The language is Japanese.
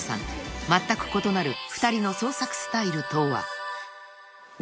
［まったく異なる２人の創作スタイルとは？］